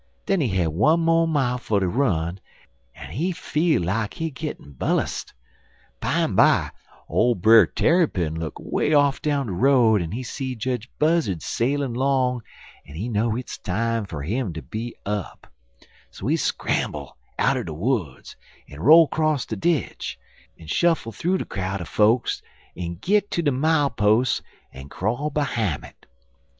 Den he had one mo' mile fer ter run, en he feel like he gittin' bellust. Bimeby, ole Brer Tarrypin look way off down de road en he see Jedge Buzzard sailin' long en he know hit's time fer 'im fer ter be up. So he scramble outen de woods, en roll 'cross de ditch, en shuffle thoo de crowd er folks en git ter de mile pos' en crawl behime it.